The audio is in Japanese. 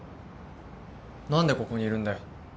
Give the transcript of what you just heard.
何でここにいるんだよ？